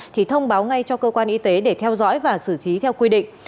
thì thông báo ngay cho cơ quan y tế để theo dõi và xử lý theo quy định